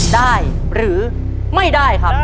ได้หรือไม่ได้ครับ